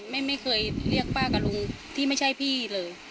ไม่เคยเรียกป้ากับลุงที่ไม่ใช่พี่เลย